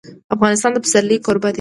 افغانستان د پسرلی کوربه دی.